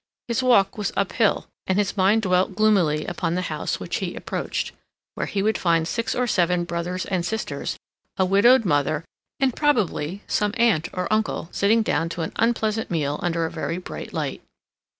His walk was uphill, and his mind dwelt gloomily upon the house which he approached, where he would find six or seven brothers and sisters, a widowed mother, and, probably, some aunt or uncle sitting down to an unpleasant meal under a very bright light.